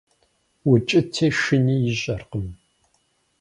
Укӏыти шыни ищӏэркъым.